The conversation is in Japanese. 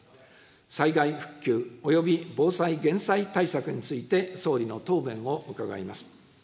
災害復旧および防災・減災対策について総理の答弁を伺います。